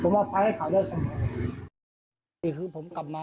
ผมว่าไพด์ให้ข่าวได้ค่ะ